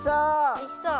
おいしそう！